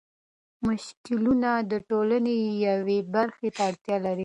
مشکلونه د ټولنې یوې برخې ته اړتيا لري.